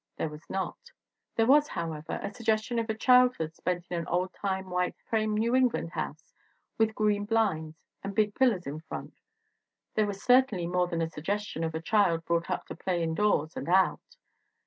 There was not. There was, however, a suggestion of a childhood spent in an oldtime white frame New England house, with green blinds and big pillars in front. There was certainly more than a suggestion of a child brought up to play indoors and out.